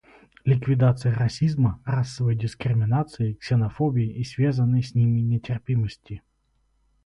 Ликвидация расизма, расовой дискриминации, ксенофобии и связанной с ними нетерпимости.